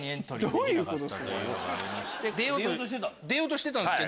出ようとしてたの？